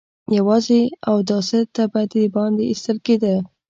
يواځې اوداسه ته به د باندې ايستل کېده.